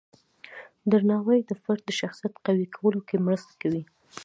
درناوی د فرد د شخصیت قوی کولو کې مرسته کوي.